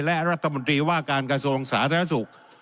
และรัฐมนตรีว่าการกระทรวงสาธารณสุข